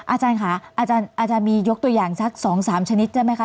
อาจารย์ค่ะอาจารย์มียกตัวอย่างสัก๒๓ชนิดใช่ไหมคะ